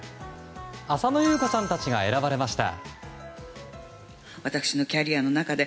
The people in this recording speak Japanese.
浅野ゆう子さんたちが選ばれました。